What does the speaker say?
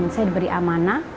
saya diberi amanah